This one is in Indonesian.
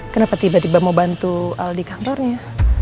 kenapa tiba tiba mau bantu aldi kantornya